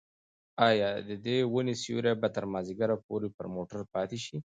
ایا د دې ونې سیوری به تر مازدیګره پورې پر موټر پاتې شي؟